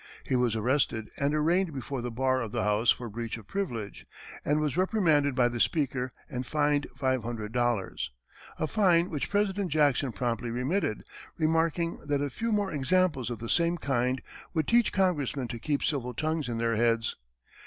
He was arrested, and arraigned before the bar of the House for "breach of privilege," and was reprimanded by the Speaker and fined five hundred dollars a fine which President Jackson promptly remitted, remarking that a few more examples of the same kind would teach Congressmen to keep civil tongues in their heads.